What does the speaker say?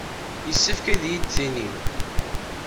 Yessefk ad iyi-d-tinim.